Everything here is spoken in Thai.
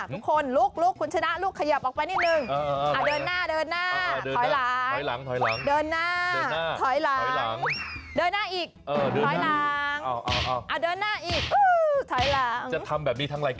ทุกคนลุกคุณชนะลูกขยับออกไปนิดนึง